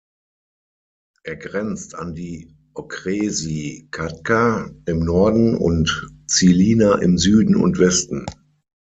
Er grenzt an die Okresy Čadca im Norden und Žilina im Süden und Westen.